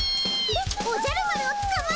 おじゃる丸をつかまえたよ。